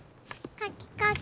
かきかき。